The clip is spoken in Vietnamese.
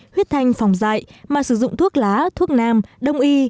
huyết thanh phòng dại mà sử dụng thuốc lá thuốc nam đông y